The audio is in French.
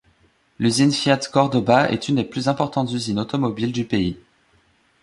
L'Usine Fiat Córdoba est une des plus importantes usines automobiles du pays.